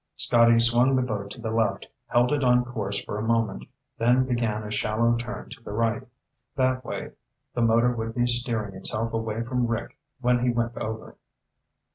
Scotty swung the boat to the left, held it on course for a moment, then began a shallow turn to the right. That way, the motor would be steering itself away from Rick when he went over.